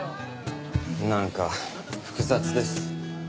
なんか複雑です。